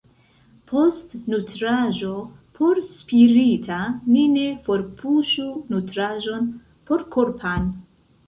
Post nutraĵo porspirita ni ne forpuŝu nutraĵon porkorpan.